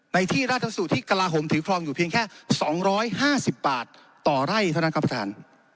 ในที่ราชสูตรที่กระลาโหมถือครองอยู่เพียงแค่๒๕๐บาทต่อไร่เท่านั้นครับท่าน